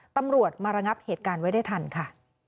ตำรวจมาระงับเหตุการณ์ไว้ได้ทันค่ะ